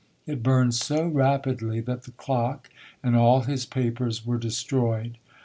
It burned so rapidly that the clock and all his papers were destroyed.